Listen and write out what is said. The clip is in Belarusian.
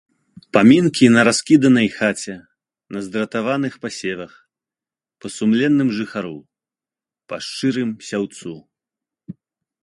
Памінкі на раскіданай хаце, на здратаваных пасевах, па сумленным жыхару, па шчырым сяўцу!